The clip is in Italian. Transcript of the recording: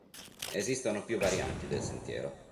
Esistono più varianti del sentiero.